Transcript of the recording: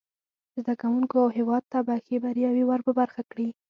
زده کوونکو او هیواد ته به ښې بریاوې ور په برخه کړي.